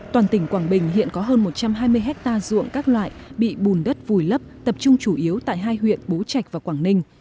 toàn tỉnh quảng bình hiện có hơn một trăm hai mươi hectare ruộng các loại bị bùn đất vùi lấp tập trung chủ yếu tại hai huyện bố trạch và quảng ninh